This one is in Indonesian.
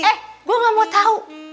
eh gue gak mau tahu